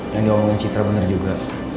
yang diomongin citra benar juga